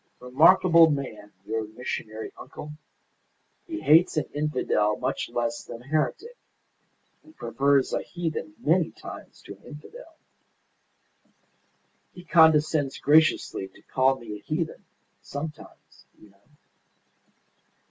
Remarkable man, your missionary uncle. He hates an infidel much less than a heretic, and prefers a heathen many times to an infidel. He condescends graciously to call me a heathen, sometimes, you know."